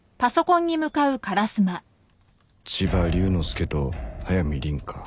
千葉龍之介と速水凛香